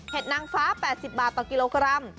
นางฟ้า๘๐บาทต่อกิโลกรัม